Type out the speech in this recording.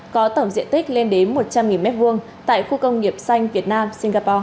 có tổng diện tích lên đến một trăm linh m hai tại khu công nghiệp xanh việt nam singapore